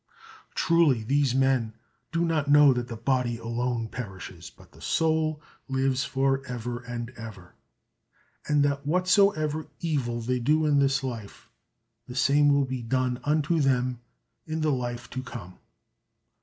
truly these men do not know that the body alone perishes but the soul lives for ever and ever; and that whatsoever evil they do in this life, the same will be done unto them in the life to come.